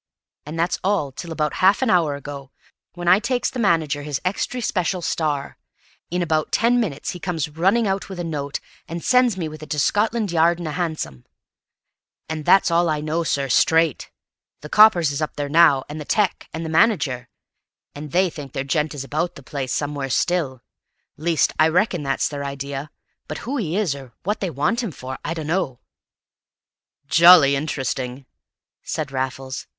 An' that's all till about 'alf an hour ago, when I takes the manager his extry speshul Star; in about ten minutes he comes running out with a note, an' sends me with it to Scotland Yard in a hansom. An' that's all I know, sir straight. The coppers is up there now, and the tec, and the manager, and they think their gent is about the place somewhere still. Least, I reckon that's their idea; but who he is, or what they want him for, I dunno." "Jolly interesting!" said Raffles.